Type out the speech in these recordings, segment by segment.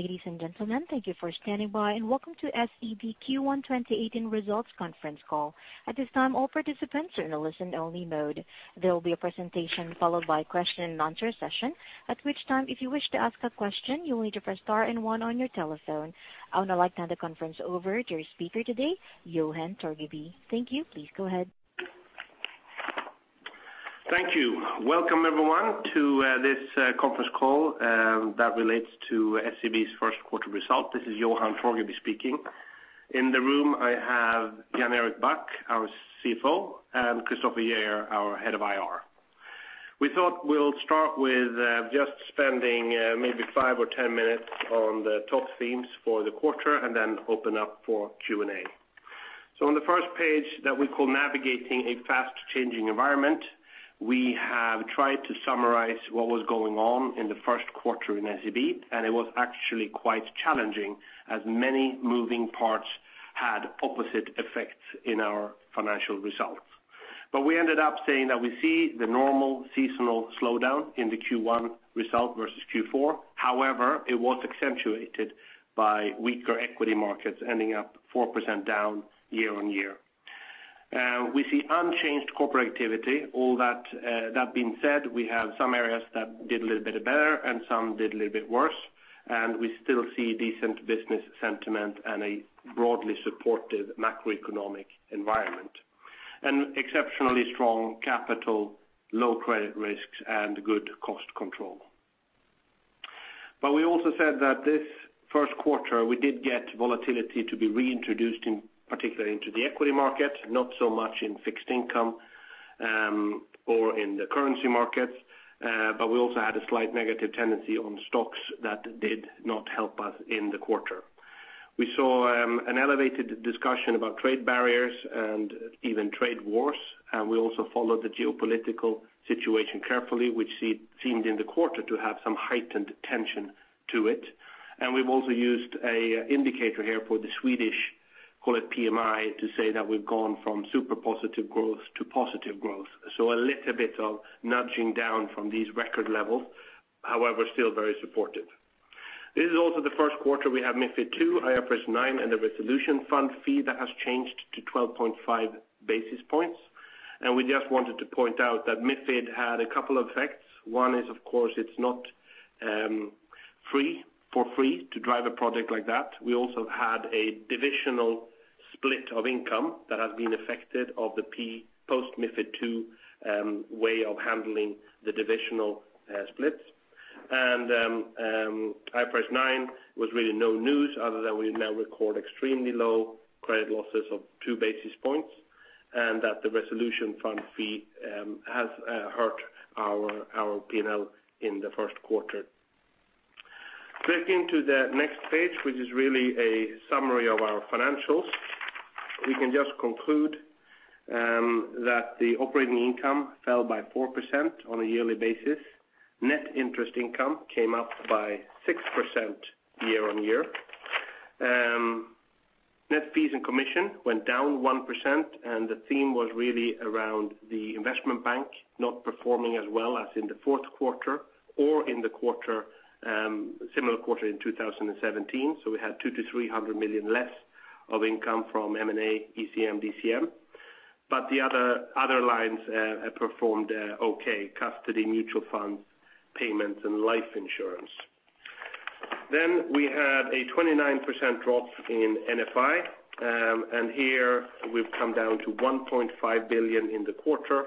Ladies and gentlemen, thank you for standing by. Welcome to SEB Q1 2018 Results Conference Call. At this time, all participants are in a listen-only mode. There will be a presentation followed by a question-and-answer session. At which time, if you wish to ask a question, you will need to press star 1 on your telephone. I would now like to hand the conference over to your speaker today, Johan Torgeby. Thank you. Please go ahead. Thank you. Welcome everyone to this conference call that relates to SEB's first quarter result. This is Johan Torgeby speaking. In the room, I have Jan-Erik Back, our CFO, and Christoffer Geijer, our Head of IR. We thought we'll start with just spending maybe five or 10 minutes on the top themes for the quarter. Then open up for Q&A. On the first page that we call Navigating a Fast-Changing Environment, we have tried to summarize what was going on in the first quarter in SEB. It was actually quite challenging as many moving parts had opposite effects in our financial results. We ended up saying that we see the normal seasonal slowdown in the Q1 result versus Q4. However, it was accentuated by weaker equity markets ending up 4% down year-on-year. We see unchanged corporate activity. All that being said, we have some areas that did a little bit better and some did a little bit worse, and we still see decent business sentiment and a broadly supportive macroeconomic environment, and exceptionally strong capital, low credit risks, and good cost control. We also said that this first quarter, we did get volatility to be reintroduced in particular into the equity market, not so much in fixed income or in the currency markets. We also had a slight negative tendency on stocks that did not help us in the quarter. We saw an elevated discussion about trade barriers and even trade wars. We also followed the geopolitical situation carefully, which seemed in the quarter to have some heightened tension to it. We've also used an indicator here for the Swedish, call it PMI, to say that we've gone from super positive growth to positive growth. A little bit of nudging down from these record levels. However, still very supportive. This is also the first quarter we have MiFID II, IFRS 9, and the Single Resolution Fund fee that has changed to 12.5 basis points. We just wanted to point out that MiFID had a couple of effects. One is, of course, it's not for free to drive a project like that. We also had a divisional split of income that has been affected of the post MiFID II way of handling the divisional splits. IFRS 9 was really no news other than we now record extremely low credit losses of two basis points, and that the Single Resolution Fund fee has hurt our P&L in the first quarter. Clicking to the next page, which is really a summary of our financials. We can just conclude that the operating income fell by 4% on a yearly basis. Net interest income came up by 6% year-on-year. Net fees and commission went down 1%. The theme was really around the investment bank not performing as well as in the fourth quarter or in the similar quarter in 2017. We had 200 million-300 million less of income from M&A, ECM, DCM. The other lines performed okay, custody, mutual funds, payments, and life insurance. We had a 29% drop in NFI. Here we've come down to 1.5 billion in the quarter.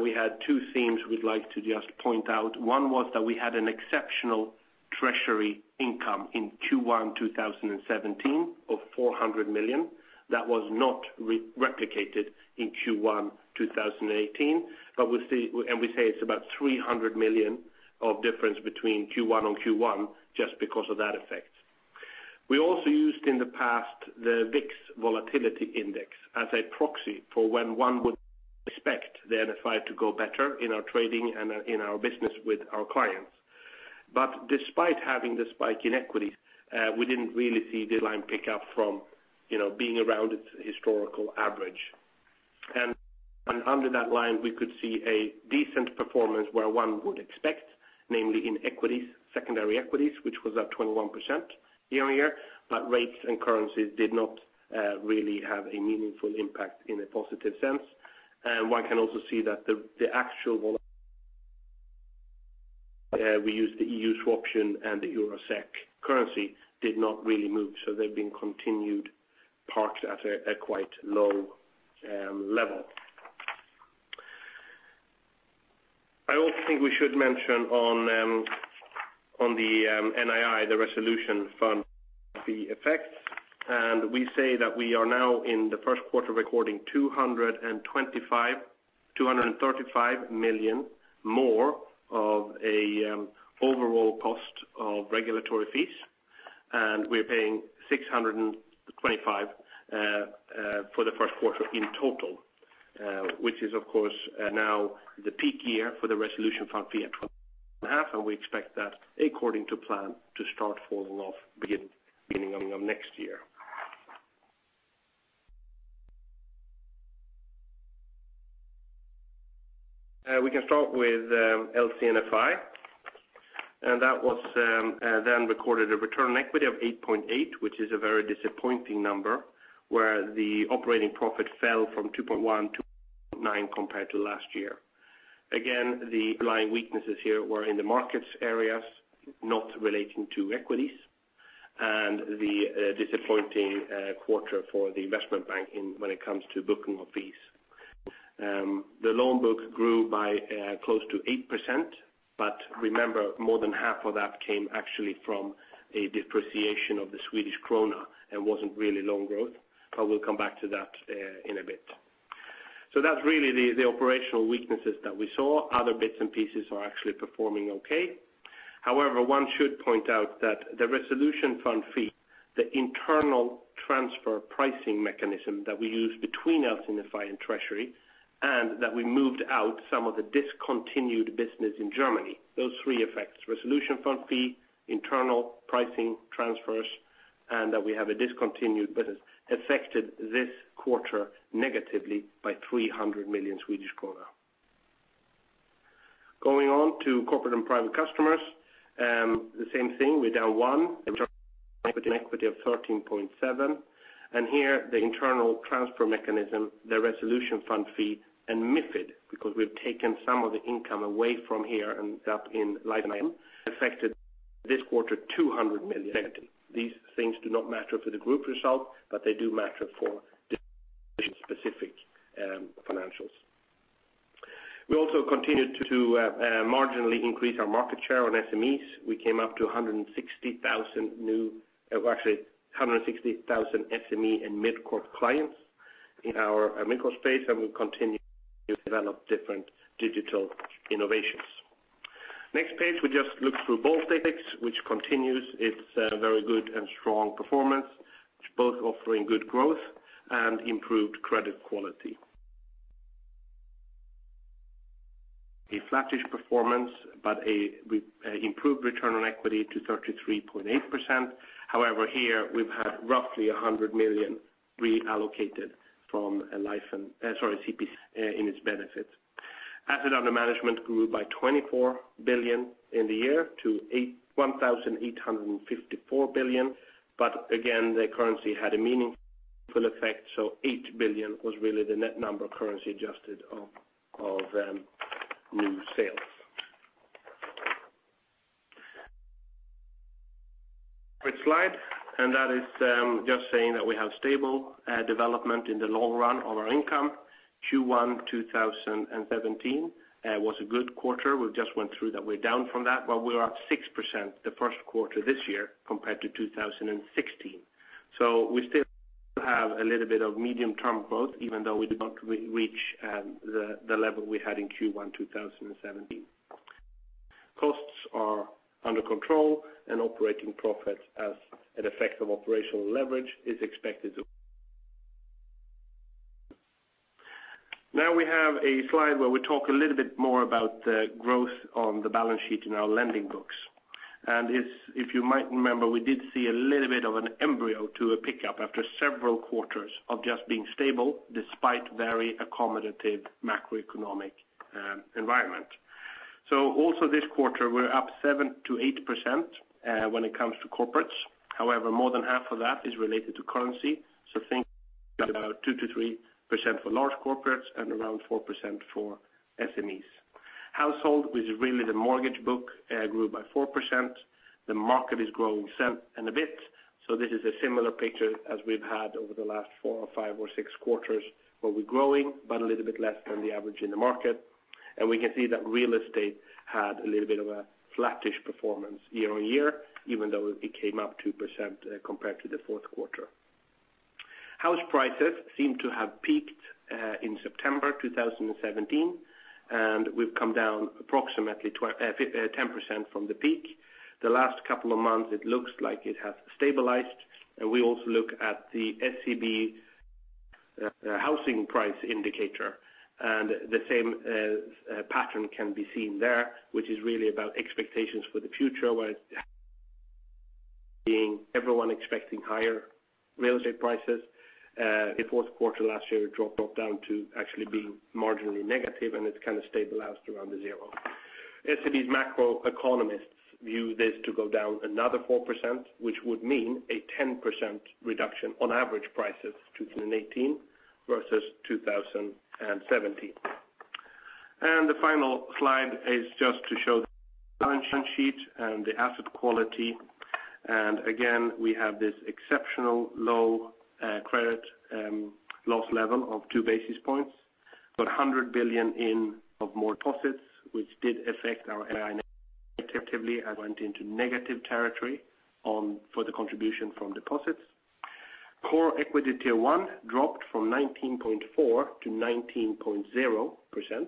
We had two themes we'd like to just point out. One was that we had an exceptional Treasury income in Q1 2017 of 400 million. That was not replicated in Q1 2018. We say it's about 300 million of difference between Q1 on Q1 just because of that effect. We also used in the past the VIX volatility index as a proxy for when one would expect the NFI to go better in our trading and in our business with our clients. Despite having the spike in equities, we didn't really see the line pick up from being around its historical average. Under that line, we could see a decent performance where one would expect, namely in equities, secondary equities, which was up 21% year-on-year. Rates and currencies did not really have a meaningful impact in a positive sense. One can also see that the actual vol We use the European swaption and the EUR/SEK currency did not really move, so they've been continued parked at a quite low level. I also think we should mention on the NII, the Resolution Fund fee effects. We say that we are now in the first quarter recording 235 million more of an overall cost of regulatory fees. We're paying 625 million for the first quarter in total which is, of course, now the peak year for the Resolution Fund fee at 1.5 billion, and we expect that according to plan to start falling off beginning of next year. We can start with LC&FI. That was then recorded a return on equity of 8.8%, which is a very disappointing number, where the operating profit fell from 2.1 billion to 900 million compared to last year. Again, the underlying weaknesses here were in the markets areas, not relating to equities and the disappointing quarter for the investment bank when it comes to booking of fees. The loan book grew by close to 8%. Remember, more than half of that came actually from a depreciation of the Swedish krona and wasn't really loan growth. We'll come back to that in a bit. That's really the operational weaknesses that we saw. Other bits and pieces are actually performing okay. However, one should point out that the Resolution Fund fee, the internal transfer pricing mechanism that we use between LC&FI and Treasury, and that we moved out some of the discontinued business in Germany. Those three effects, Resolution Fund fee, internal pricing transfers, and that we have a discontinued business, affected this quarter negatively by 300 million Swedish kronor. Going on to Corporate & Private Customers. The same thing with our one equity of 13.7%. Here, the internal transfer mechanism, the resolution fund fee and MiFID, because we've taken some of the income away from here and up in life and IM, affected this quarter 200 million. These things do not matter for the group result, they do matter for specific financials. We also continued to marginally increase our market share on SMEs. We came up to 160,000 SME and mid-corp clients in our micro space, we continue to develop different digital innovations. Next page, we just look through Baltic, which continues its very good and strong performance, which both offering good growth and improved credit quality. A flattish performance, we improved return on equity to 33.8%. However, here we've had roughly 100 million reallocated from a life and, sorry, CP&C in its benefits. Asset under management grew by 24 billion in the year to 1,854 billion. Again, the currency had a meaningful effect, 8 billion was really the net number currency adjusted of new sales. Great slide, that is just saying that we have stable development in the long run of our income. Q1 2017 was a good quarter. We just went through that. We're down from that, we're up 6% the first quarter this year compared to 2016. We still have a little bit of medium term growth, even though we do not reach the level we had in Q1 2017. Costs are under control and operating profits as an effect of operational leverage is expected to. Now we have a slide where we talk a little bit more about the growth on the balance sheet in our lending books. If you might remember, we did see a little bit of an embryo to a pickup after several quarters of just being stable, despite very accommodative macroeconomic environment. Also this quarter, we're up 7%-8% when it comes to corporates. However, more than half of that is related to currency. Think about 2%-3% for large corporates and around 4% for SMEs. Household was really the mortgage book grew by 4%. The market is growing and a bit, this is a similar picture as we've had over the last four or five or six quarters where we're growing, a little bit less than the average in the market. We can see that real estate had a little bit of a flattish performance year-on-year, even though it came up 2% compared to the fourth quarter. House prices seem to have peaked in September 2017, we've come down approximately 10% from the peak. The last couple of months, it looks like it has stabilized, we also look at the SEB Housing Price Indicator, the same pattern can be seen there, which is really about expectations for the future where being everyone expecting higher real estate prices. The fourth quarter last year, it dropped off down to actually being marginally negative, it's stabilized around the zero. SEB's macro economists view this to go down another 4%, which would mean a 10% reduction on average prices 2018 versus 2017. The final slide is just to show the balance sheet and the asset quality. Again, we have this exceptional low credit loss level of two basis points. But 100 billion in of more deposits, which did affect our NII negatively as went into negative territory for the contribution from deposits. Core Equity Tier 1 dropped from 19.4% to 19.0%.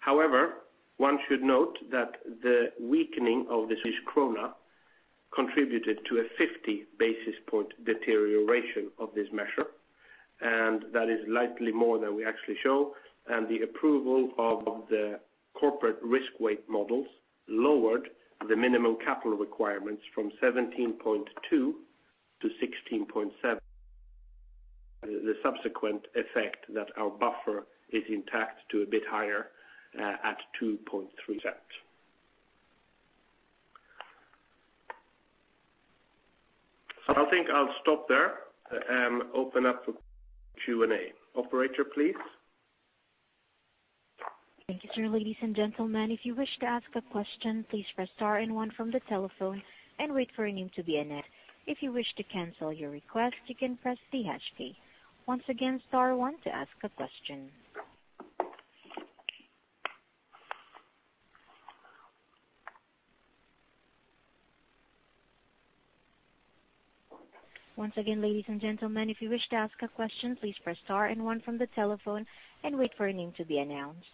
However, one should note that the weakening of the Swedish Krona contributed to a 50-basis point deterioration of this measure, and that is likely more than we actually show. And the approval of the corporate risk weight models lowered the minimum capital requirements from 17.2% to 16.7%. The subsequent effect that our buffer is intact to a bit higher at 2.3%. I'll stop there and open up for Q&A. Operator, please. Thank you, sir. Ladies and gentlemen, if you wish to ask a question, please press star and one from the telephone and wait for your name to be announced. If you wish to cancel your request, you can press C#. Once again, star one to ask a question. Once again, ladies and gentlemen, if you wish to ask a question, please press star and one from the telephone and wait for your name to be announced.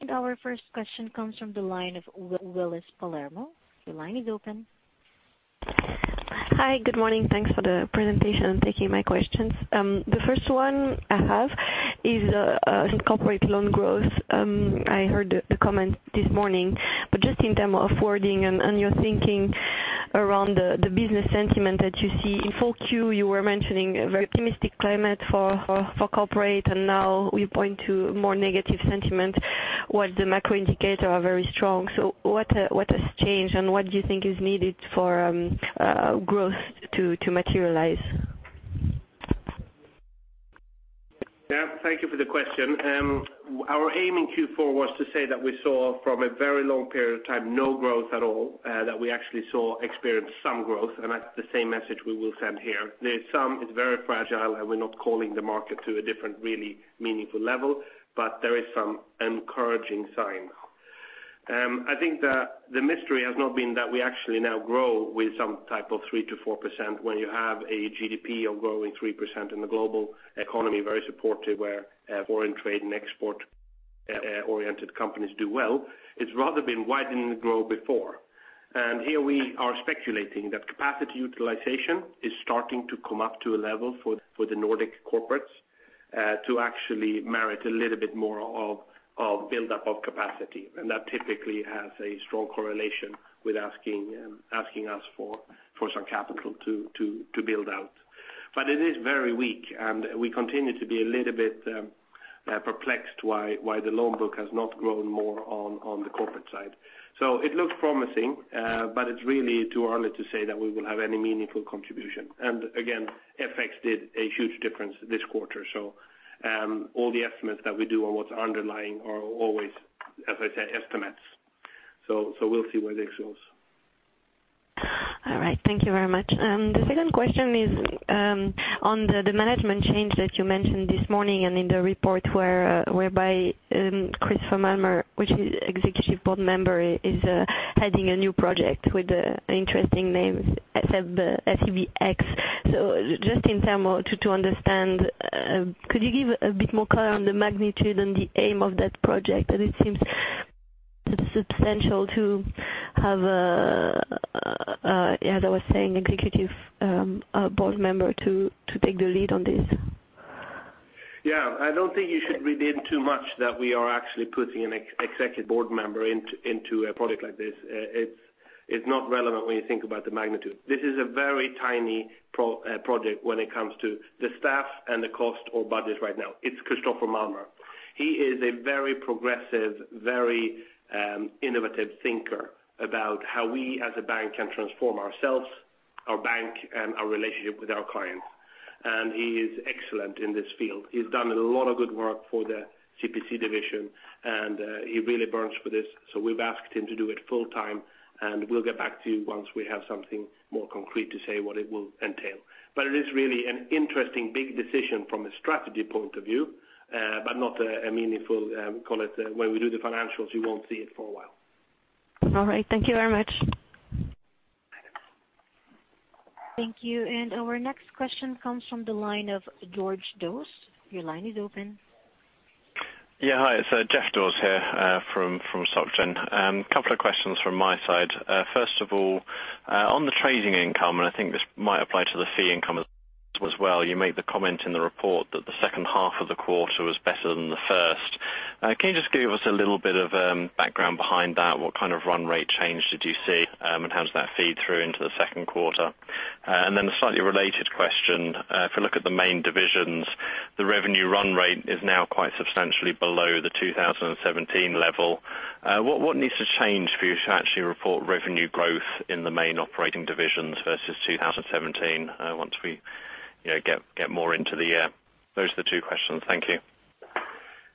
And our first question comes from the line of Willis Palermo. Your line is open. Hi. Good morning. Thanks for the presentation and taking my questions. The first one I have is on corporate loan growth. I heard a comment this morning, but just in terms of forwarding and your thinking around the business sentiment that you see. In Q4, you were mentioning a very optimistic climate for corporate, and now we point to more negative sentiment while the macro indicators are very strong. So what has changed and what do you think is needed for growth to materialize? Thank you for the question. Our aim in Q4 was to say that we saw from a very long period of time, no growth at all, that we actually experienced some growth, and that's the same message we will send here. There is some. It's very fragile, and we're not calling the market to a different, really meaningful level, but there is some encouraging sign. I think that the mystery has not been that we actually now grow with some type of 3%-4% when you have a GDP growing 3% and the global economy very supportive where foreign trade and export-oriented companies do well. It's rather been widening the growth before. And here we are speculating that capacity utilization is starting to come up to a level for the Nordic corporates to actually merit a little bit more of build-up of capacity. That typically has a strong correlation with asking us for some capital to build out. It is very weak, and we continue to be a little bit perplexed why the loan book has not grown more on the corporate side. It looks promising, but it's really too early to say that we will have any meaningful contribution. Again, FX did a huge difference this quarter. All the estimates that we do on what's underlying are always, as I said, estimates. We'll see where this goes. All right. Thank you very much. The second question is on the management change that you mentioned this morning and in the report whereby Christoffer Malmer, which is executive board member, is heading a new project with an interesting name, SEBx. Just in term of to understand, could you give a bit more color on the magnitude and the aim of that project? It seems substantial to have a, as I was saying, executive board member to take the lead on this. Yeah. I don't think you should read in too much that we are actually putting an executive board member into a project like this. It's not relevant when you think about the magnitude. This is a very tiny project when it comes to the staff and the cost or budget right now. It's Christoffer Malmer. He is a very progressive, very innovative thinker about how we as a bank can transform ourselves, our bank, and our relationship with our clients. He is excellent in this field. He's done a lot of good work for the CP&C division, and he really burns for this. We've asked him to do it full time, and we'll get back to you once we have something more concrete to say what it will entail. It is really an interesting big decision from a strategy point of view, but not a meaningful, call it, when we do the financials, you won't see it for a while. All right. Thank you very much. Thank you. Our next question comes from the line of George Dos. Your line is open. Yeah. Hi. It's George Dos here, from Stockton. Couple of questions from my side. First of all, on the trading income, I think this might apply to the fee income as well, you made the comment in the report that the second half of the quarter was better than the first. Can you just give us a little bit of background behind that? What kind of run rate change did you see? How does that feed through into the second quarter? A slightly related question. If you look at the main divisions, the revenue run rate is now quite substantially below the 2017 level. What needs to change for you to actually report revenue growth in the main operating divisions versus 2017 once we get more into the year? Those are the two questions. Thank you.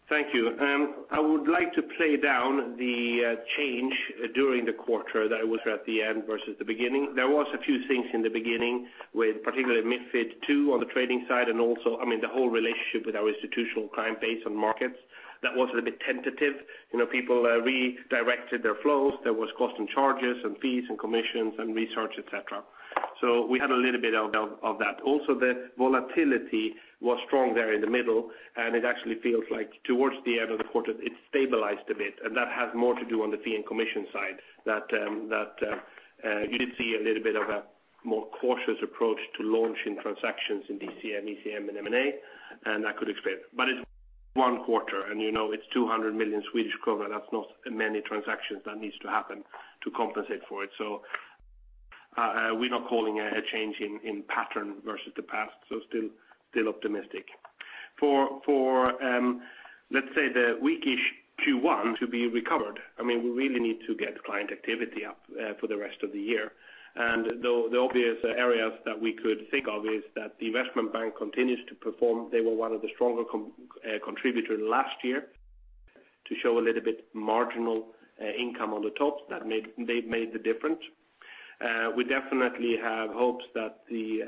Thank you. I would like to play down the change during the quarter that was at the end versus the beginning. There was a few things in the beginning with particularly MiFID II on the trading side and also, I mean, the whole relationship with our institutional client base on markets. That was a bit tentative. People redirected their flows. There was cost and charges and fees and commissions and research, et cetera. We had a little bit of that. Also, the volatility was strong there in the middle, and it actually feels like towards the end of the quarter, it stabilized a bit, and that has more to do on the fee and commission side, that you did see a little bit of a more cautious approach to launching transactions in DCM, ECM, and M&A, and that could explain it. It One quarter, and you know it's 200 million Swedish kronor. That's not many transactions that needs to happen to compensate for it. We're not calling a change in pattern versus the past. Still optimistic. For, let's say the weak-ish Q1 to be recovered, we really need to get client activity up for the rest of the year. The obvious areas that we could think of is that the investment bank continues to perform. They were one of the stronger contributor last year to show a little bit marginal income on the top that made the difference. We definitely have hopes that the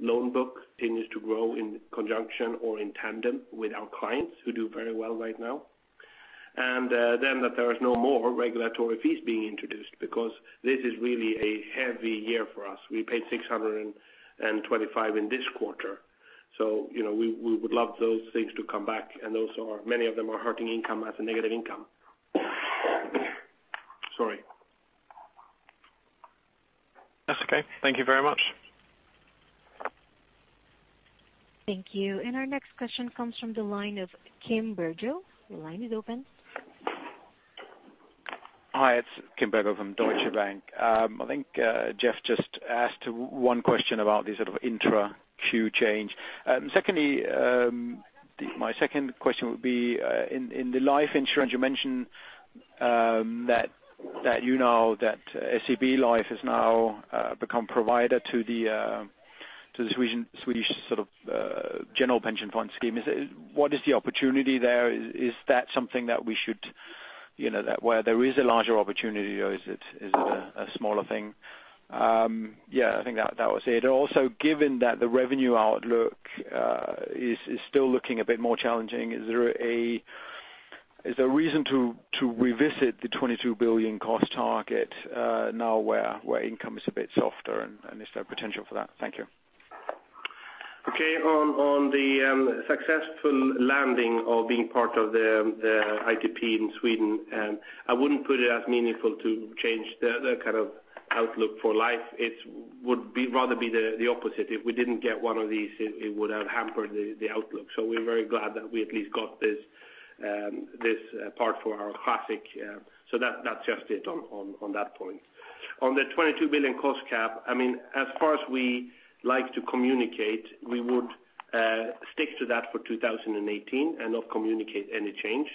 loan book continues to grow in conjunction or in tandem with our clients who do very well right now. That there is no more regulatory fees being introduced, because this is really a heavy year for us. We paid 625 in this quarter. We would love those things to come back. Many of them are hurting income as a negative income. Sorry. That's okay. Thank you very much. Thank you. Our next question comes from the line of Kim Bergoh. Your line is open. Hi, it's Kim Bergoh from Deutsche Bank. I think Jeff just asked one question about the sort of intra-Q change. My second question would be, in the life insurance, you mentioned that SEB Life has now become provider to the Swedish general pension fund scheme. What is the opportunity there? Is that something that we should Where there is a larger opportunity or is it a smaller thing? Yeah, I think that was it. Also, given that the revenue outlook is still looking a bit more challenging, is there a reason to revisit the 22 billion cost target now where income is a bit softer and is there potential for that? Thank you. Okay. On the successful landing of being part of the ITP in Sweden, I wouldn't put it as meaningful to change the outlook for life. It would rather be the opposite. If we didn't get one of these, it would have hampered the outlook. We're very glad that we at least got this part for our classic. That's just it on that point. On the 22 billion cost cap, as far as we like to communicate, we would stick to that for 2018 and not communicate any change.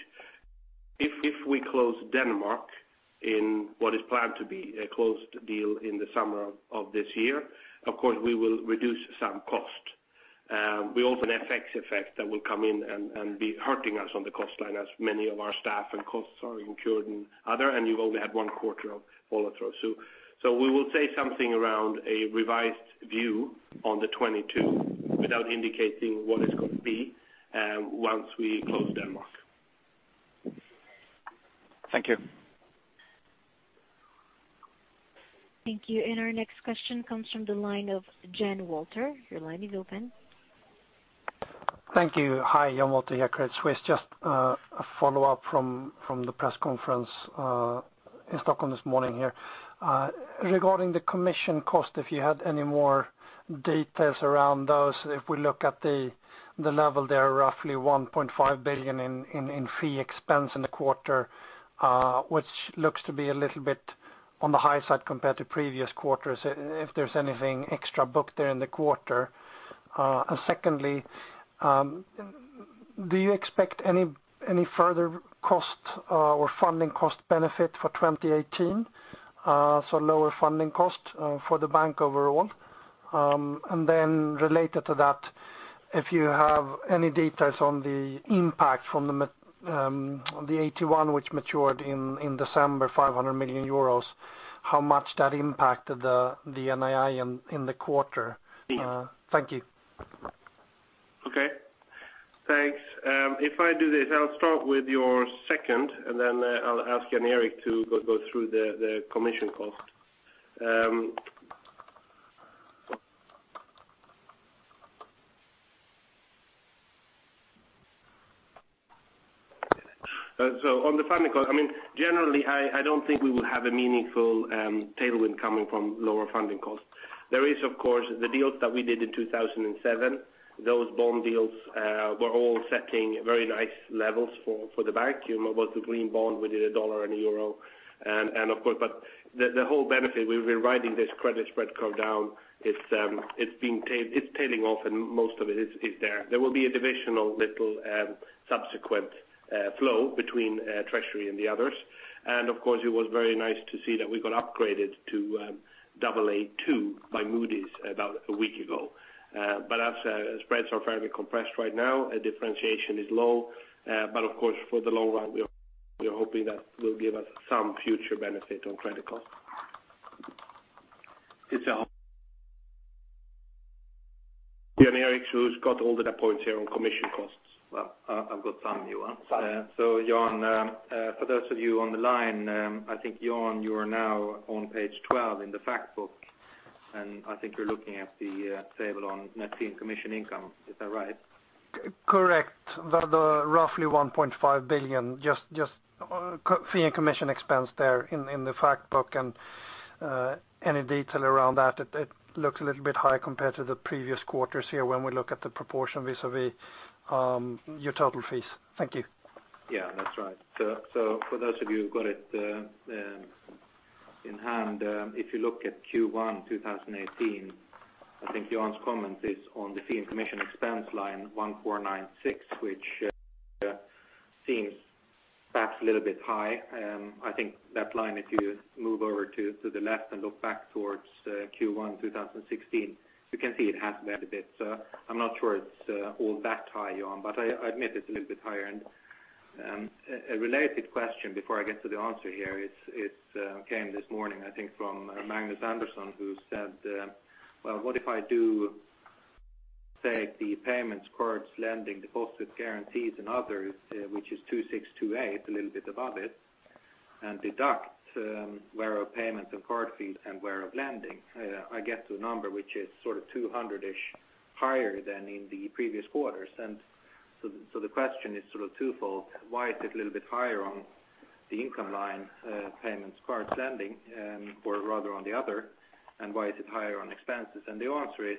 If we close Denmark in what is planned to be a closed deal in the summer of this year, of course we will reduce some cost. We also have an FX effect that will come in and be hurting us on the cost line as many of our staff and costs are incurred in other, and you've only had one quarter of follow-through. We will say something around a revised view on the 22 without indicating what it's going to be once we close Denmark. Thank you. Thank you. Our next question comes from the line of Jan Walter. Your line is open. Thank you. Hi, Jan Walter here, Credit Suisse. Just a follow-up from the press conference in Stockholm this morning here. Regarding the commission cost, if you had any more details around those. If we look at the level there, roughly 1.5 billion in fee expense in the quarter, which looks to be a little bit on the high side compared to previous quarters. If there's anything extra booked there in the quarter. Secondly, do you expect any further cost or funding cost benefit for 2018? Lower funding cost for the bank overall. Then related to that, if you have any details on the impact from the AT1, which matured in December, 500 million euros, how much that impacted the NII in the quarter. Thank you. Okay. Thanks. If I do this, I'll start with your second, then I'll ask Jan-Erik to go through the commission cost. On the funding cost, generally, I don't think we will have a meaningful tailwind coming from lower funding costs. There is, of course, the deals that we did in 2007. Those bond deals were all setting very nice levels for the bank. It was a green bond. We did a U.S. dollar and a euro. The whole benefit, we're riding this credit spread curve down. It's tailing off and most of it is there. There will be a divisional little subsequent flow between treasury and the others. Of course, it was very nice to see that we got upgraded to Aa2 by Moody's about a week ago. As spreads are fairly compressed right now, differentiation is low. Of course, for the long run, we are hoping that will give us some future benefit on credit cost. It's Jan-Erik who's got all the points here on commission costs. Well, I've got some. Sorry. Jan, for those of you on the line, I think, Jan, you are now on page 12 in the fact book, and I think you're looking at the table on net fee and commission income. Is that right? Correct. The roughly 1.5 billion just fee and commission expense there in the fact book. Any detail around that? It looks a little bit high compared to the previous quarters here when we look at the proportion vis-a-vis your total fees. Thank you. Yeah, that's right. For those of you who've got it in hand, if you look at Q1 2018, I think Johan's comment is on the fee and commission expense line 1,496, which seems perhaps a little bit high. I think that line, if you move over to the left and look back towards Q1 2016, you can see it has moved a bit. I'm not sure it's all that high, Johan, but I admit it's a little bit higher. A related question before I get to the answer here. It came this morning, I think, from Magnus Andersson, who said, well, what if I do take the payments, cards, lending, deposits, guarantees, and others, which is 2,628, a little bit above it, and deduct whereof payments and card fees and whereof lending? I get to a number which is sort of 200-ish higher than in the previous quarters. The question is sort of twofold. Why is it a little bit higher on the income line payments, card lending, or rather on the other, and why is it higher on expenses? The answer is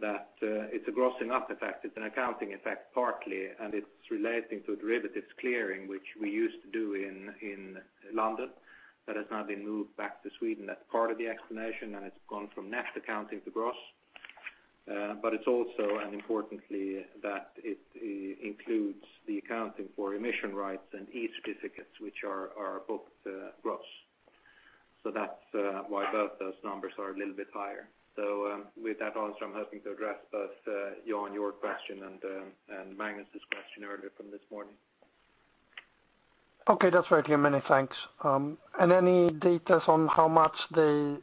that it's a grossing up effect. It's an accounting effect partly, and it's relating to derivatives clearing, which we used to do in London that has now been moved back to Sweden. That's part of the explanation, and it's gone from net accounting to gross. It's also, and importantly, that it includes the accounting for emission rights and E certificates, which are both gross. That's why both those numbers are a little bit higher. With that answer, I'm hoping to address both Johan, your question, and Magnus's question earlier from this morning. Okay, that's very clear. Many thanks. Any details on how much the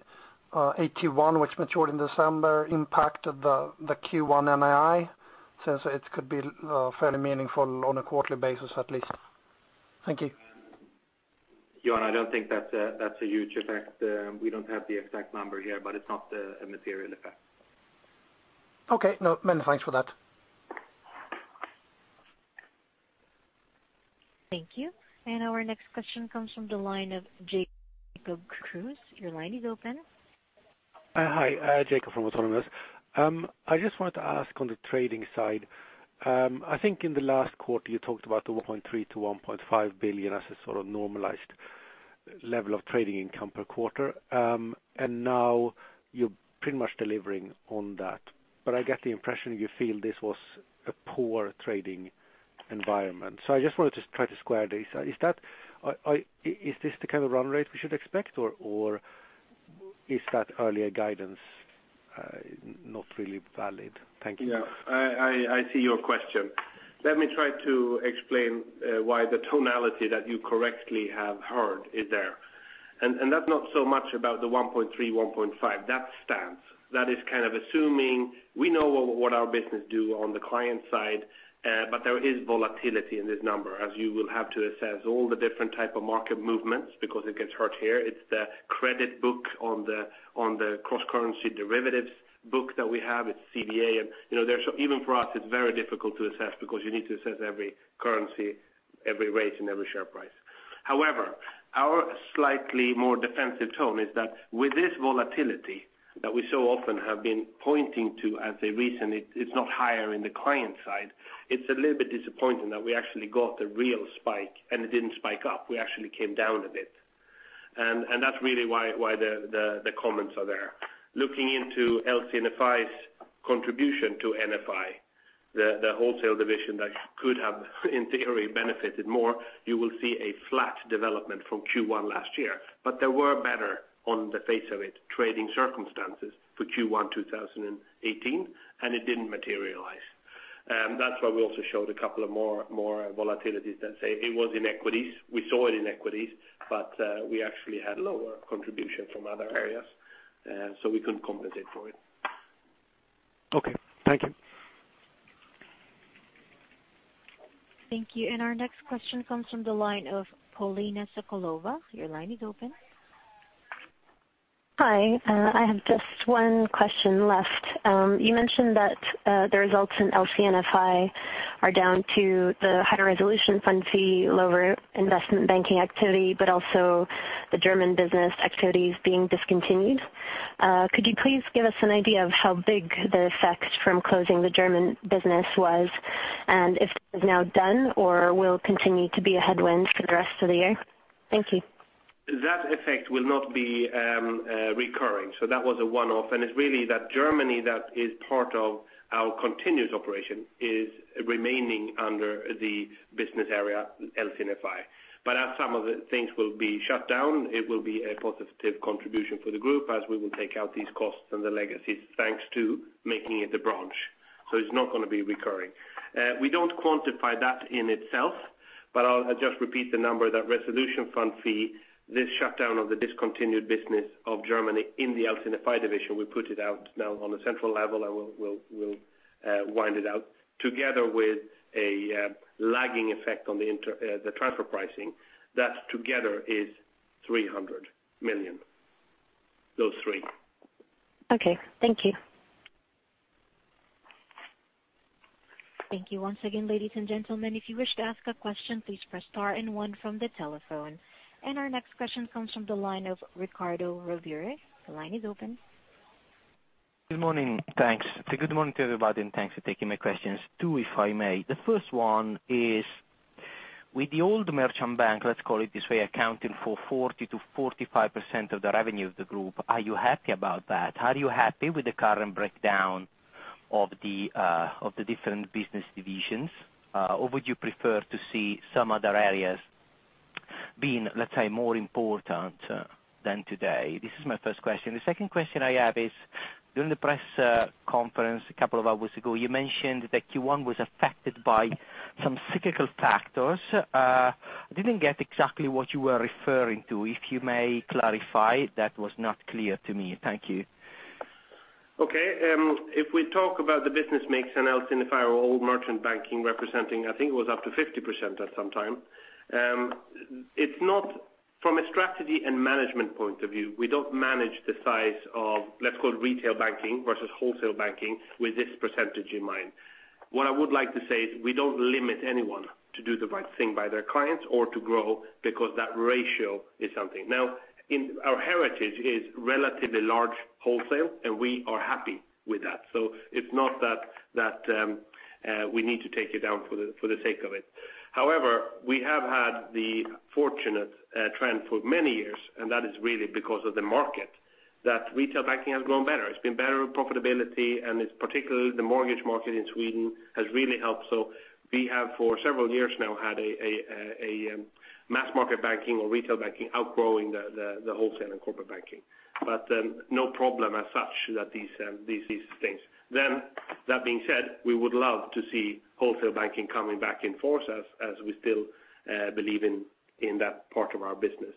AT1, which matured in December, impacted the Q1 NII? Since it could be fairly meaningful on a quarterly basis at least. Thank you. Johan, I don't think that's a huge effect. We don't have the exact number here, but it's not a material effect. Okay. No, many thanks for that. Thank you. Our next question comes from the line of Jacob Kruse. Your line is open. Hi, Jacob from Autonomous. I just wanted to ask on the trading side. I think in the last quarter you talked about the $1.3 billion-$1.5 billion as a sort of normalized level of trading income per quarter. Now you're pretty much delivering on that. I get the impression you feel this was a poor trading environment. I just wanted to try to square this. Is this the kind of run rate we should expect, or is that earlier guidance not really valid? Thank you. Yeah. I see your question. Let me try to explain why the tonality that you correctly have heard is there. That's not so much about the $1.3, $1.5. That stands. That is assuming we know what our business do on the client side. There is volatility in this number, as you will have to assess all the different type of market movements because it gets hurt here. It's the credit book on the cross-currency derivatives book that we have. It's CVA. Even for us, it's very difficult to assess because you need to assess every currency, every rate, and every share price. However, our slightly more defensive tone is that with this volatility that we so often have been pointing to as a reason it's not higher in the client side, it's a little bit disappointing that we actually got a real spike, and it didn't spike up. We actually came down a bit. That's really why the comments are there. Looking into LC&FI's contribution to NFI, the wholesale division that could have, in theory, benefited more, you will see a flat development from Q1 last year. There were better on the face of it trading circumstances for Q1 2018, and it didn't materialize. That's why we also showed a couple of more volatilities than say it was in equities. We saw it in equities, we actually had lower contribution from other areas, we couldn't compensate for it. Okay. Thank you. Thank you. Our next question comes from the line of Paulina Sokolova. Your line is open. Hi. I have just one question left. You mentioned that the results in LC&FI are down to the higher resolution fund fee, lower investment banking activity, but also the German business activities being discontinued. Could you please give us an idea of how big the effect from closing the German business was, and if this is now done or will continue to be a headwind for the rest of the year? Thank you. That effect will not be recurring. That was a one-off, and it's really that Germany that is part of our continuous operation is remaining under the business area LC&FI. As some of the things will be shut down, it will be a positive contribution for the group as we will take out these costs and the legacies thanks to making it a branch. It's not going to be recurring. We don't quantify that in itself, but I'll just repeat the number that resolution fund fee, this shutdown of the discontinued business of Germany in the LC&FI division, we put it out now on a central level, and we'll wind it out together with a lagging effect on the transfer pricing. That together is 300 million. Those three. Okay. Thank you. Thank you once again, ladies and gentlemen. If you wish to ask a question, please press star and one from the telephone. Our next question comes from the line of Riccardo Rovere. The line is open. A good morning to everybody, thanks for taking my questions. Two, if I may. The first one is, with the old merchant bank, let's call it this way, accounting for 40% to 45% of the revenue of the group, are you happy about that? Are you happy with the current breakdown of the different business divisions? Or would you prefer to see some other areas being, let's say, more important than today? This is my first question. The second question I have is, during the press conference a couple of hours ago, you mentioned that Q1 was affected by some cyclical factors. I didn't get exactly what you were referring to. If you may clarify, that was not clear to me. Thank you. Okay. If we talk about the business mix I'll simplify our old merchant banking representing, I think it was up to 50% at some time. From a strategy and management point of view, we don't manage the size of, let's call it retail banking versus wholesale banking with this percentage in mind. What I would like to say is we don't limit anyone to do the right thing by their clients or to grow because that ratio is something. Our heritage is relatively large wholesale, and we are happy with that. It's not that we need to take it down for the sake of it. However, we have had the fortunate trend for many years, and that is really because of the market, that retail banking has grown better. It's been better profitability, and it's particularly the mortgage market in Sweden has really helped. We have for several years now had a mass market banking or retail banking outgrowing the wholesale and corporate banking. No problem as such that these things. That being said, we would love to see wholesale banking coming back in force as we still believe in that part of our business.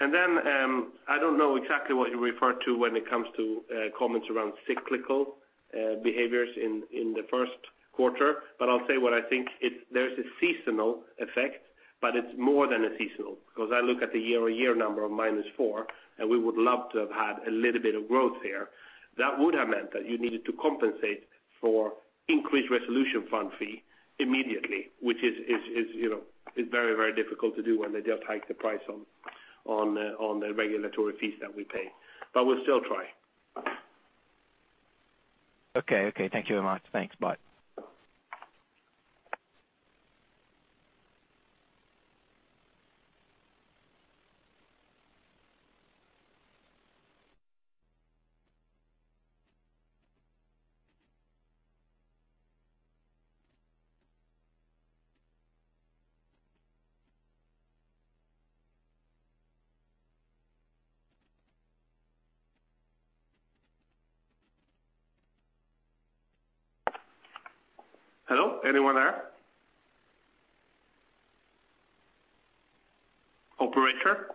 I don't know exactly what you refer to when it comes to comments around cyclical behaviors in the first quarter, but I'll say what I think. There's a seasonal effect, but it's more than a seasonal because I look at the year-over-year number of minus four, and we would love to have had a little bit of growth here. That would have meant that you needed to compensate for increased Resolution Fund fee immediately which is very, very difficult to do when they just hike the price on the regulatory fees that we pay. We'll still try. Okay. Thank you very much. Thanks. Bye. Hello? Anyone there? Operator?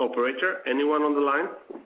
Operator, anyone on the line?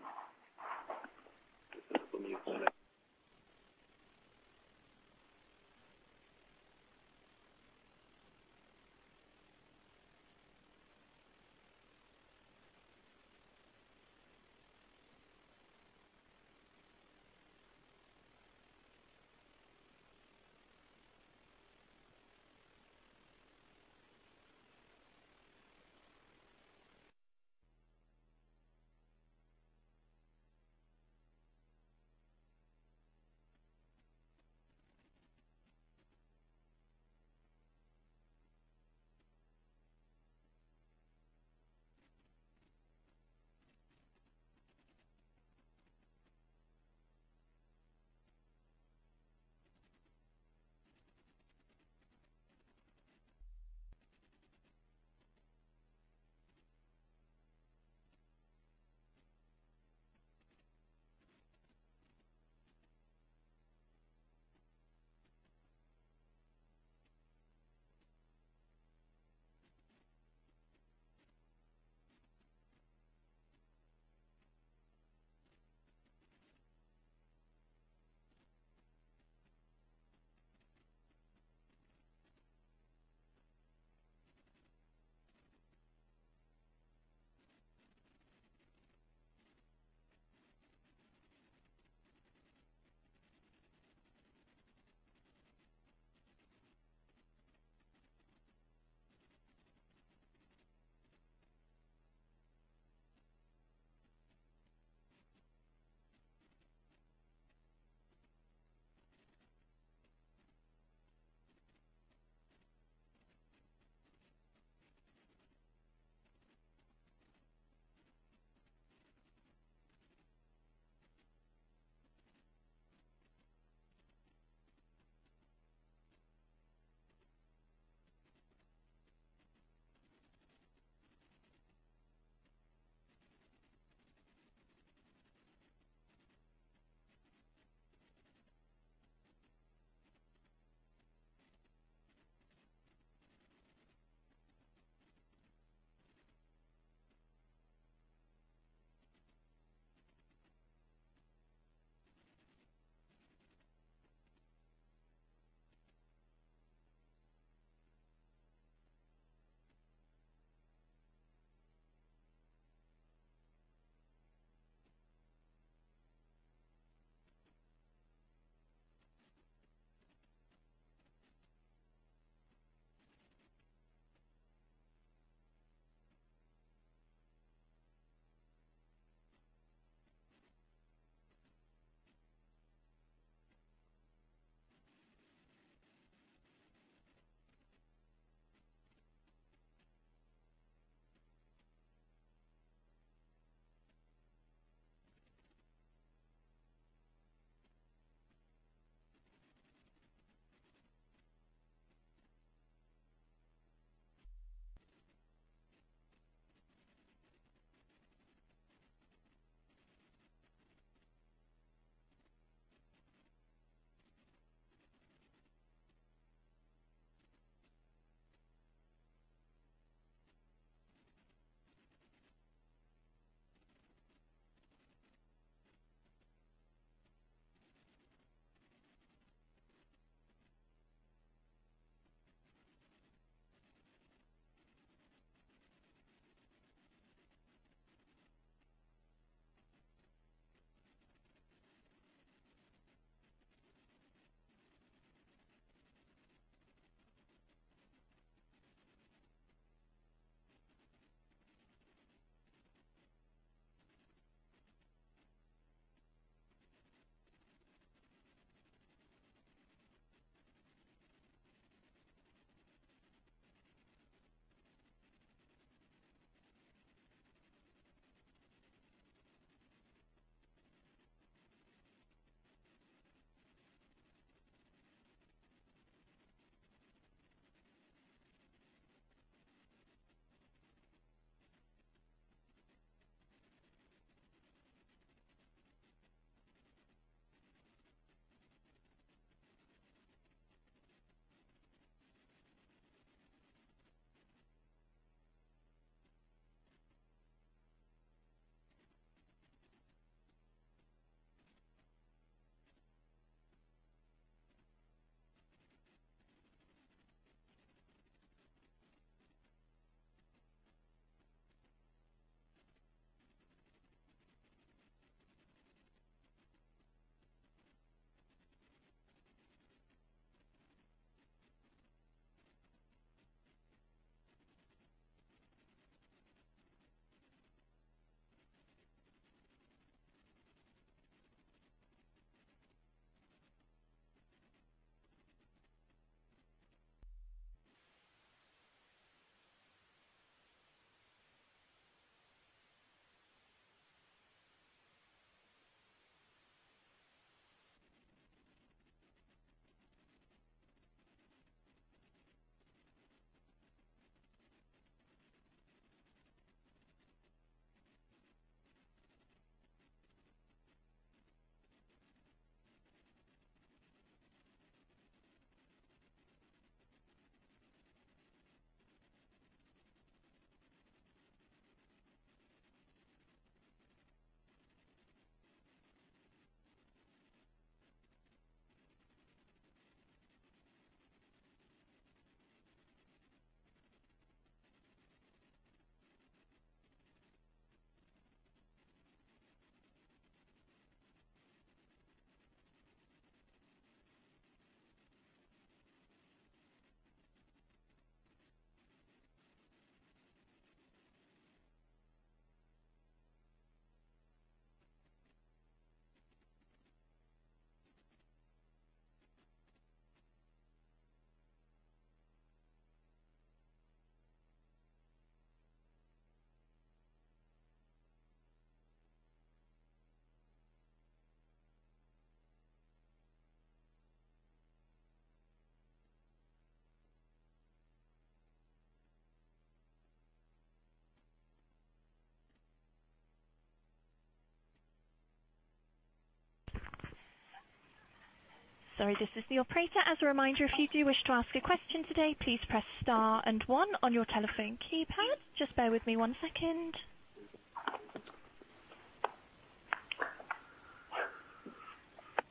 Sorry, this is the operator. As a reminder, if you do wish to ask a question today, please press star and one on your telephone keypad. Just bear with me one second.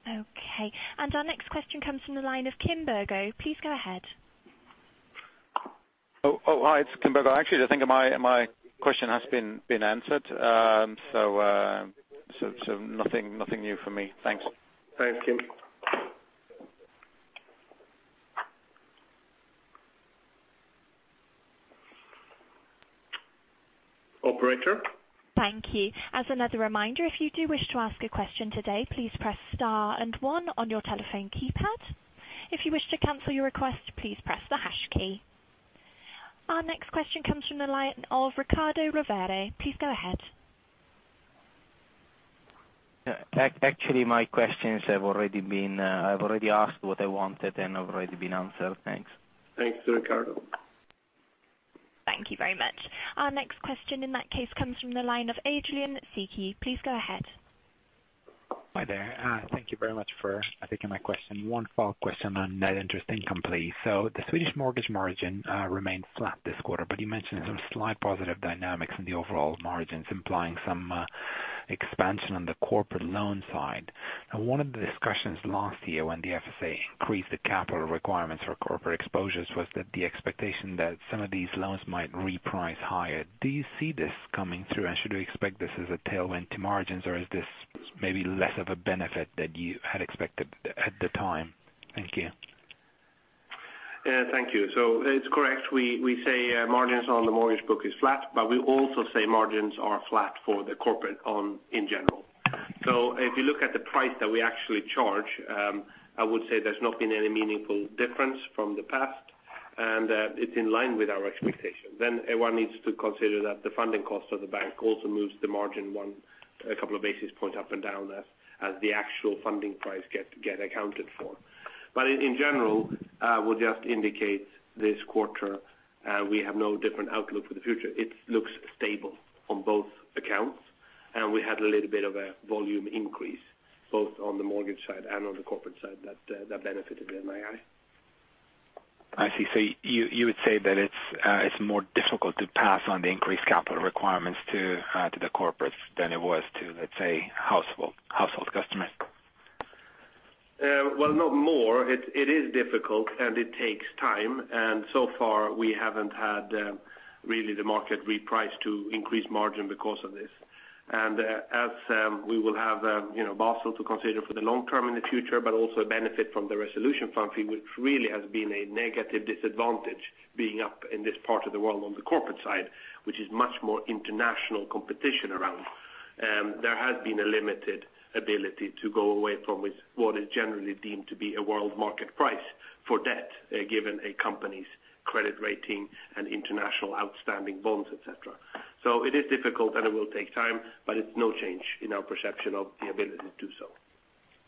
Okay. Our next question comes from the line of Kim Bergoh. Please go ahead. Oh, hi. It's Kim Bergoh. Actually, I think my question has been answered. Nothing new for me. Thanks. Thanks, Kim. Operator? Thank you. As another reminder, if you do wish to ask a question today, please press star and one on your telephone keypad. If you wish to cancel your request, please press the hash key. Our next question comes from the line of Riccardo Rovere. Please go ahead. Actually, my questions have already been I've already asked what I wanted and already been answered. Thanks. Thanks, Riccardo. Thank you very much. Our next question in that case comes from the line of Adrian Ciki. Please go ahead. Hi there. Thank you very much for taking my question. One follow-up question on net interest income, please. The Swedish mortgage margin remained flat this quarter, but you mentioned some slight positive dynamics in the overall margins implying some expansion on the corporate loan side. One of the discussions last year when the FSA increased the capital requirements for corporate exposures was that the expectation that some of these loans might reprice higher. Do you see this coming through, and should we expect this as a tailwind to margins, or is this maybe less of a benefit than you had expected at the time? Thank you. Thank you. It's correct. We say margins on the mortgage book is flat, We also say margins are flat for the corporate in general. If you look at the price that we actually charge, I would say there's not been any meaningful difference from the past, and it's in line with our expectation. Everyone needs to consider that the funding cost of the bank also moves the margin a couple of basis points up and down as the actual funding price get accounted for. In general, we'll just indicate this quarter we have no different outlook for the future. It looks stable on both accounts, and we had a little bit of a volume increase, both on the mortgage side and on the corporate side that benefited NII. I see. You would say that it's more difficult to pass on the increased capital requirements to the corporates than it was to, let's say, household customer? Not more. It is difficult, it takes time, so far we haven't had really the market reprice to increase margin because of this. As we will have Basel to consider for the long term in the future, also benefit from the resolution funding, which really has been a negative disadvantage being up in this part of the world on the corporate side, which is much more international competition around. There has been a limited ability to go away from what is generally deemed to be a world market price for debt, given a company's credit rating and international outstanding bonds, et cetera. It is difficult, it will take time, but it's no change in our perception of the ability to do so.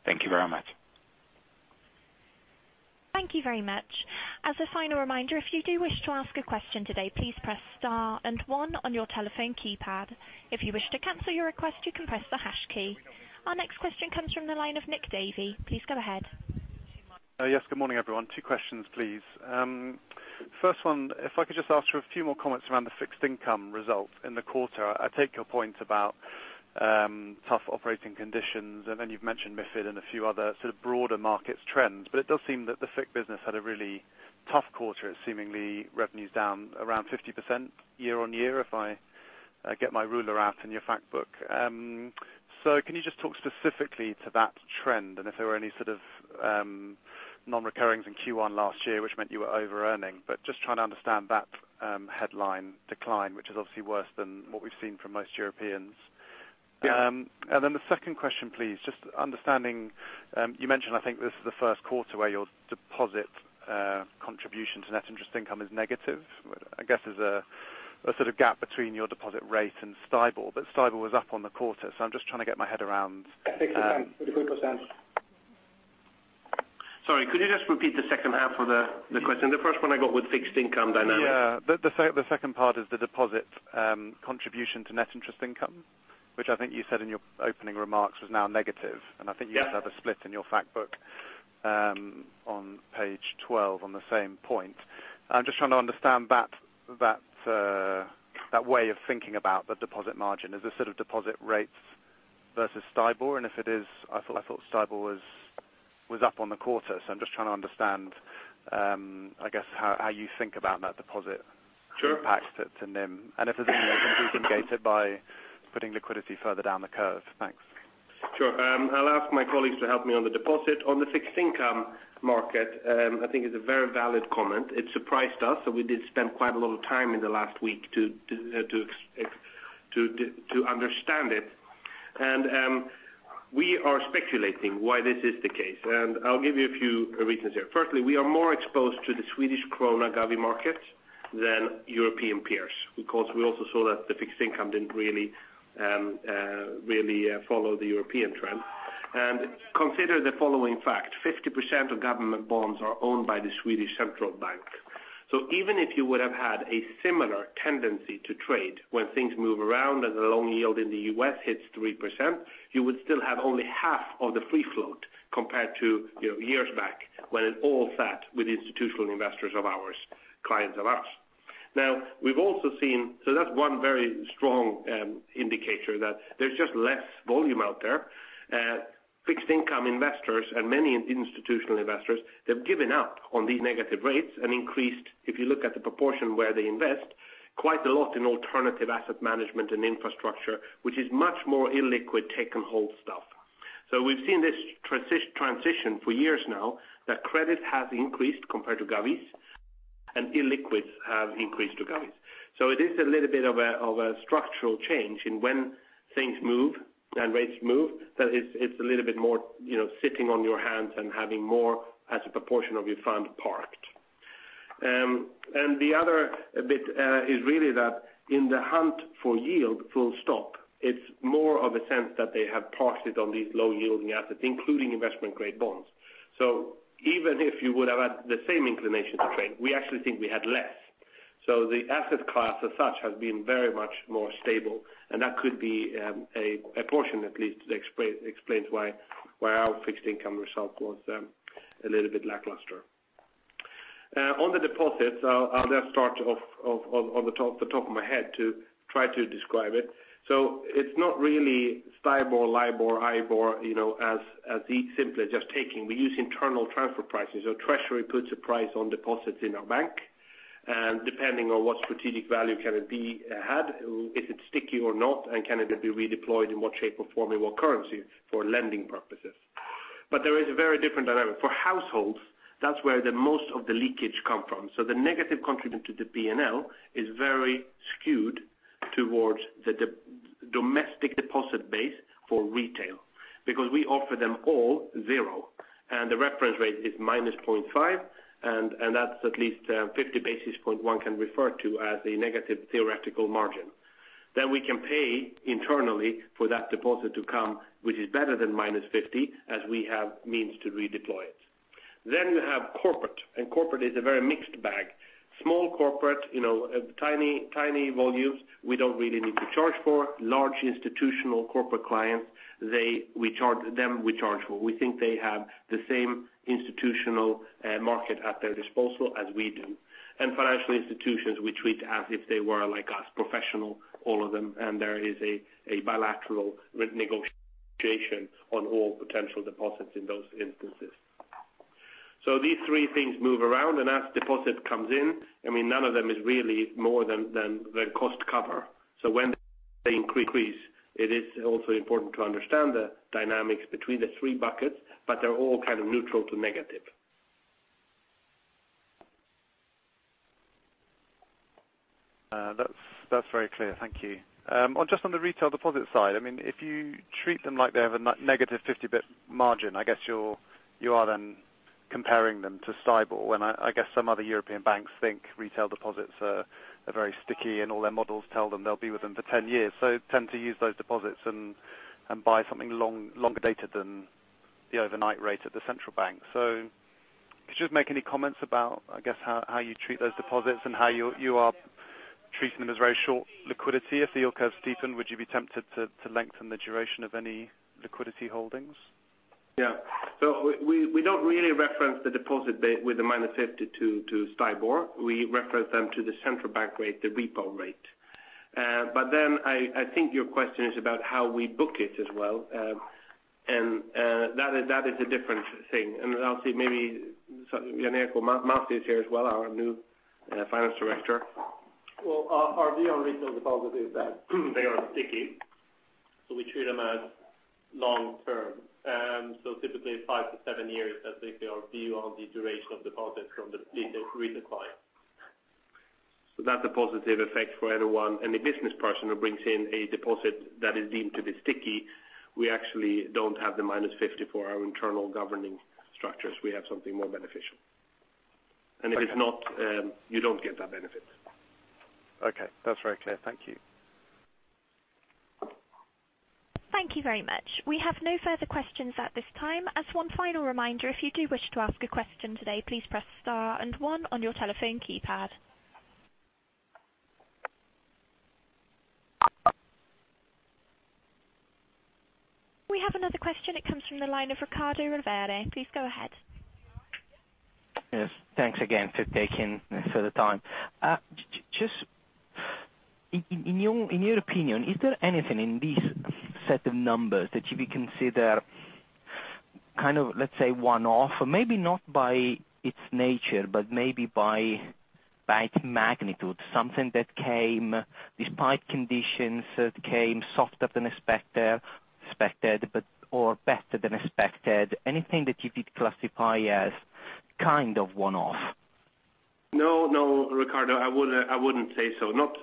Thank you very much. Thank you very much. As a final reminder, if you do wish to ask a question today, please press star and one on your telephone keypad. If you wish to cancel your request, you can press the hash key. Our next question comes from the line of Nicolas Davey. Please go ahead. Yes. Good morning, everyone. 2 questions, please. First one, if I could just ask for a few more comments around the fixed income result in the quarter. I take your point about tough operating conditions, and then you've mentioned MiFID and a few other sort of broader markets trends. It does seem that the FIC business had a really tough quarter. Seemingly revenue's down around 50% year-on-year if I get my ruler out in your fact book. Can you just talk specifically to that trend and if there were any sort of non-recurrings in Q1 last year, which meant you were over-earning, but just trying to understand that headline decline, which is obviously worse than what we've seen from most Europeans. Yeah. The second question, please. Just understanding, you mentioned, I think this is the first quarter where your deposit contribution to net interest income is negative. I guess is a sort of gap between your deposit rate and STIBOR, but STIBOR was up on the quarter. I'm just trying to get my head around. Fixed income. Sorry, could you just repeat the second half of the question? The first one I got with fixed income dynamic. The second part is the deposit contribution to net interest income, which I think you said in your opening remarks was now negative. Yes. I think you have a split in your fact book on page 12 on the same point. I'm just trying to understand that way of thinking about the deposit margin. Is this sort of deposit rates versus STIBOR? If it is, I thought STIBOR was up on the quarter. I'm just trying to understand, I guess, how you think about that deposit- Sure impact to NIM. If there's anything that can be engaged by putting liquidity further down the curve. Thanks. Sure. I'll ask my colleagues to help me on the deposit. On the fixed income market, I think it's a very valid comment. It surprised us, we did spend quite a lot of time in the last week to understand it. We are speculating why this is the case, I'll give you a few reasons here. Firstly, we are more exposed to the Swedish krona govie market than European peers, because we also saw that the fixed income didn't really follow the European trend. Consider the following fact, 50% of government bonds are owned by the Swedish Central Bank. Even if you would have had a similar tendency to trade when things move around and the loan yield in the U.S. hits 3%, you would still have only half of the free float compared to years back when it all sat with institutional investors of ours, clients of ours. That's one very strong indicator that there's just less volume out there. Fixed income investors and many institutional investors, they've given up on these negative rates and increased, if you look at the proportion where they invest, quite a lot in alternative asset management and infrastructure, which is much more illiquid take and hold stuff. We've seen this transition for years now, that credit has increased compared to govies and illiquids have increased to govies. It is a little bit of a structural change in when things move and rates move, that it's a little bit more sitting on your hands and having more as a proportion of your fund parked. The other bit is really that in the hunt for yield, full stop, it's more of a sense that they have parked it on these low yielding assets, including investment-grade bonds. Even if you would have had the same inclination to trade, we actually think we had less. The asset class as such has been very much more stable, and that could be a portion at least that explains why our fixed income result was a little bit lackluster. On the deposits, I'll just start off on the top of my head to try to describe it. It's not really STIBOR, LIBOR, IBOR, as simply just taking. We use internal transfer prices. Treasury puts a price on deposits in our bank, and depending on what strategic value can it be had, is it sticky or not, and can it be redeployed in what shape or form, in what currency for lending purposes? There is a very different dynamic. For households, that's where the most of the leakage come from. The negative contribution to the P&L is very skewed towards the domestic deposit base for retail. Because we offer them all zero, and the reference rate is -0.5, and that's at least 50 basis points one can refer to as a negative theoretical margin. Then we can pay internally for that deposit to come, which is better than -50, as we have means to redeploy it. You have corporate, and corporate is a very mixed bag. Small corporate, tiny volumes, we don't really need to charge for. Large institutional corporate clients, them we charge for. We think they have the same institutional end market at their disposal as we do. And financial institutions, we treat as if they were like us, professional, all of them, and there is a bilateral negotiation on all potential deposits in those instances. These three things move around, and as deposit comes in, none of them is really more than the cost cover. When they increase, it is also important to understand the dynamics between the three buckets, but they're all neutral to negative. That's very clear. Thank you. Just on the retail deposit side, if you treat them like they have a negative 50 basis point margin, I guess you are then comparing them to STIBOR. I guess some other European banks think retail deposits are very sticky, and all their models tell them they'll be with them for 10 years, so tend to use those deposits and buy something longer dated than the overnight rate at the central bank. Could you just make any comments about, I guess, how you treat those deposits and how you are treating them as very short liquidity? If the yield curve steepened, would you be tempted to lengthen the duration of any liquidity holdings? Yeah. We don't really reference the deposit basis point with the -50 to STIBOR. We reference them to the central bank rate, the repo rate. I think your question is about how we book it as well. That is a different thing. I'll see maybe Jan-Erik Back is here as well, our new finance director. Well, our view on retail deposits is that they are sticky, so we treat them as long-term. Typically 5-7 years, I think they are due on the duration of deposit from the retail client. That's a positive effect for everyone. Any business person who brings in a deposit that is deemed to be sticky, we actually don't have the -50 for our internal governing structures. We have something more beneficial. If it's not, you don't get that benefit. Okay. That's very clear. Thank you. Thank you very much. We have no further questions at this time. One final reminder, if you do wish to ask a question today, please press star and one on your telephone keypad. We have another question. It comes from the line of Riccardo Rovere. Please go ahead. Yes. Thanks again for taking the time. In your opinion, is there anything in this set of numbers that you would consider, let's say one-off? Maybe not by its nature, but maybe by magnitude, something that came despite conditions, that came softer than expected or better than expected. Anything that you did classify as one-off? No. Riccardo Rovere, I wouldn't say so. Not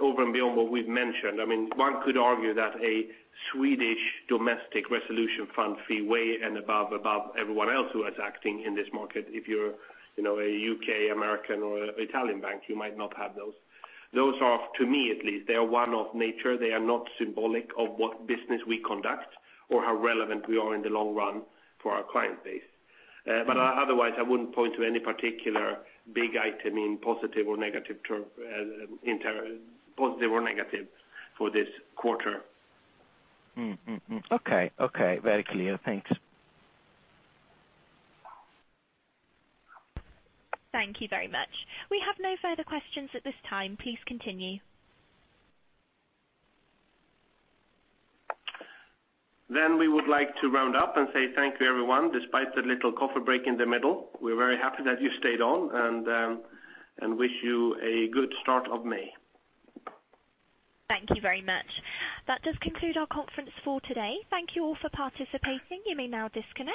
over and beyond what we've mentioned. One could argue that a Swedish domestic resolution fund fee way above everyone else who is acting in this market. If you're a U.K., American, or Italian bank, you might not have those. Those are, to me at least, they are one-off nature. They are not symbolic of what business we conduct or how relevant we are in the long run for our client base. Otherwise, I wouldn't point to any particular big item in positive or negative for this quarter. Okay. Very clear. Thanks. Thank you very much. We have no further questions at this time. Please continue. We would like to round up and say thank you, everyone. Despite the little coffee break in the middle, we're very happy that you stayed on, and wish you a good start of May. Thank you very much. That does conclude our conference for today. Thank you all for participating. You may now disconnect.